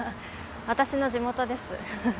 私の地元です。